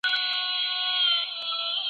دغه مرحله د بشر د ذهن د پرمختګ وروستۍ مرحله ده.